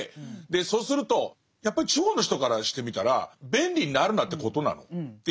でそうするとやっぱり地方の人からしてみたら便利になるなってことなの？っていう。